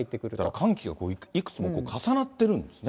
寒気がいくつも重なっているんですね。